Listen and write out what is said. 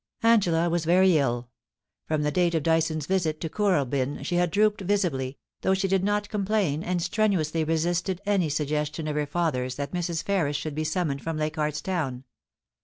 Angela was very ill. From the date of Dyson's visit to Kooralbyn she had drooped visibly, though she did not complain, and strenuously resisted any suggestion of her father's that Mrs. Ferris should be summoned from Leich ardt's Town.